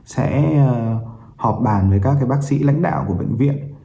sẽ họp bàn với các bác sĩ lãnh đạo của bệnh viện